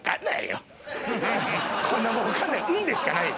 こんなもん分かんないよ